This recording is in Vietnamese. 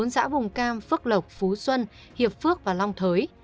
bốn xã vùng cam phước lộc phú xuân hiệp phước và long thới